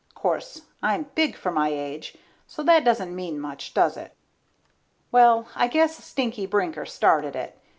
'Course, I'm big for my age, so that doesn't mean much, does it? Well, I guess Stinker Brinker started it.